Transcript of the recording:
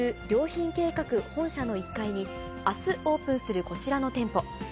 良品計画本社の１階に、あすオープンする、こちらの店舗。